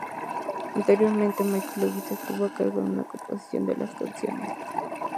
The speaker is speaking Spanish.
Anteriormente, Michelle Lewis estuvo a cargo de la composición de las canciones.